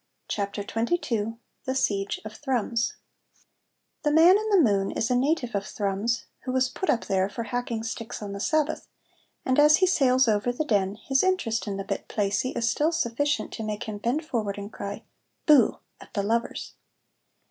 CHAPTER XXII THE SIEGE OF THRUMS The man in the moon is a native of Thrums, who was put up there for hacking sticks on the Sabbath, and as he sails over the Den his interest in the bit placey is still sufficient to make him bend forward and cry "Boo!" at the lovers.